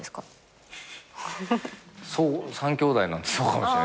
３兄弟なんでそうかもしれないですね。